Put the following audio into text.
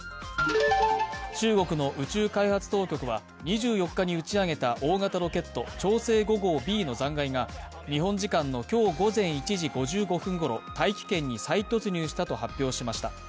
中国の宇宙開発当局は２４日に打ち上げた、大型ロケット、長征５号Ｂの残骸が日本時間の今日午前１時５５分ごろ、大気圏に再突入したと発表しました。